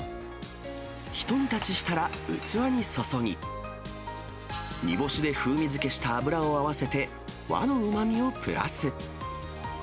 ひと煮立ちしたら、器に注ぎ、煮干しで風味付けした油を合わせて、和のうまみをプラス。